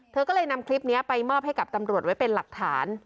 เธอก็เลยนำคลิปนี้ไปมอบให้กับตำรวจไว้เป็นหลักฐาน